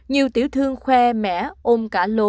nhiều tiểu thương khoe mẻ ôm cả lô